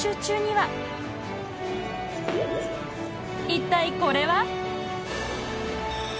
一体これは？